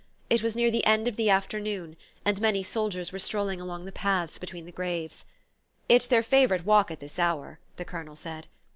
It was near the end of the afternoon, and many soldiers were strolling along the paths between the graves. "It's their favourite walk at this hour," the Colonel said.